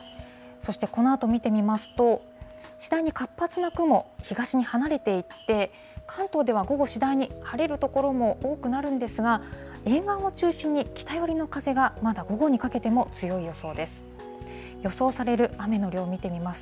そしてこのあと見てみますと、次第に活発な雲、東に離れていって、関東では午後、次第に晴れる所も多くなるんですが、沿岸を中心に、北寄りの風がまだ午後にかけても強い予想です。